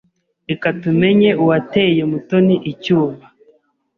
Reka tumenye uwateye Mutoni icyuma.